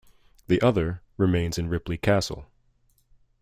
The other remains in Ripley Castle.